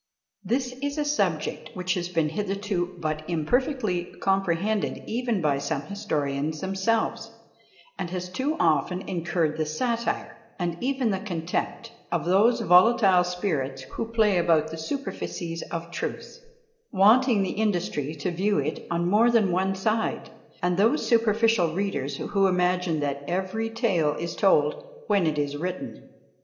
This is a subject which has been hitherto but imperfectly comprehended even by some historians themselves; and has too often incurred the satire, and even the contempt, of those volatile spirits who play about the superficies of truth, wanting the industry to view it on more than one side, and those superficial readers who imagine that every tale is told when it is written.